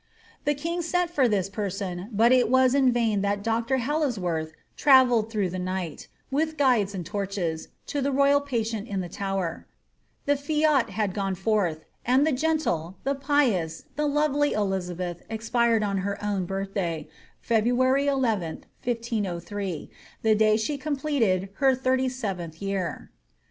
The king sent for this person, but it was in vain that Dr. Hallyswurth travelled through the night, with guides and torches, to the royal patient in the Tower : the fiat had gone forth ; and the gentle, the pious, the lovely Elizabeth expired on her own birthday, February 11, 1503, the day that she completed her thirty seventh year.